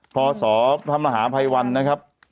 พศพระมหาภัยวันนะครับ